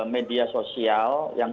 media sosial yang